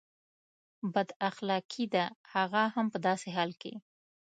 بد اخلاقي ده هغه هم په داسې حال کې.